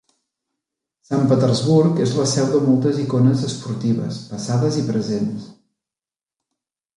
Sant Petersburg és la seu de moltes icones esportives passades i presents.